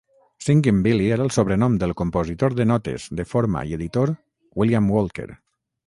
"Singin' Billy" era el sobrenom del compositor de notes de forma i editor William Walker.